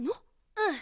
うん。